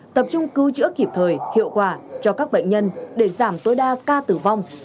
tập trung cứu chữa kịp thời hiệu quả cho các bệnh nhân để giảm tối đa ca tử vong